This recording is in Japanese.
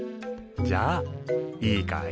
じゃあいいかい？